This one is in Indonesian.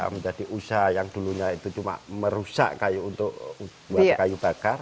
menjadi usaha yang dulunya itu cuma merusak kayu untuk buat kayu bakar